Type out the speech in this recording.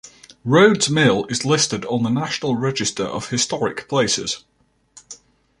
Rhodes Mill is listed on the National Register of Historic Places.